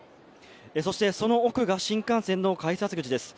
そして、その奥が新幹線の改札口です。